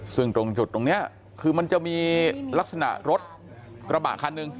ซึ่งตรงจุดตรงนี้คือมันจะมีลักษณะรถกระบะคันหนึ่ง